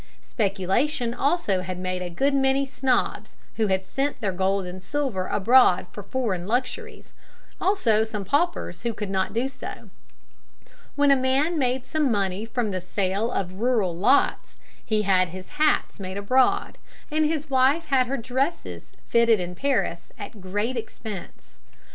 Speculation also had made a good many snobs who had sent their gold and silver abroad for foreign luxuries, also some paupers who could not do so. When a man made some money from the sale of rural lots he had his hats made abroad, and his wife had her dresses fitted in Paris at great expense.